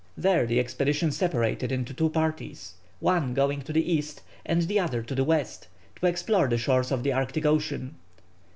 There the expedition separated into two parties, one going to the east and the other to the west, to explore the shores of the Arctic Ocean.